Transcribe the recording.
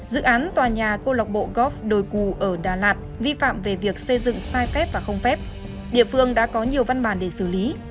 dự án tòa nhà cô lộc bộ góp đồi cù ở đà lạt vi phạm về việc xây dựng sai phép và không phép địa phương đã có nhiều văn bản để xử lý